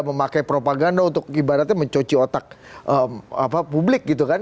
memakai propaganda untuk ibaratnya mencuci otak publik gitu kan